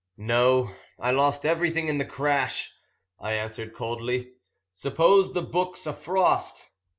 "No, I lost everything in the crash," I answered coldly. "Suppose the book's a frost?"